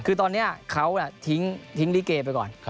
คือตอนนี้เขาทิ้งลิเกไปก่อน